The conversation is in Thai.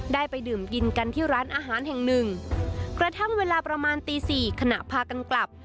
ได้ไปดื่มกินกันที่ร้านอาหารแห่งหนึ่งกระทั่งเวลาประมาณตีสี่ขณะพากันกลับ